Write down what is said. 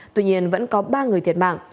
tuy nhiên vẫn có ba người thiệt mạng